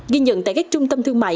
ghi nhận tại các trung tâm thương mại